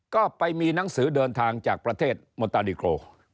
ก็ไปมีหนังสือเดินทางจากประเทศโมตาดิโคร